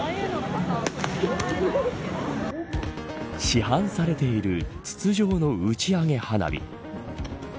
市販されている筒状の打ち上げ花火。